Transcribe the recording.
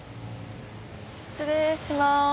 失礼します。